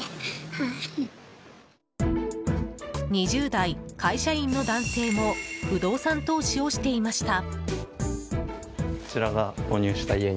２０代会社員の男性も不動産投資をしていました。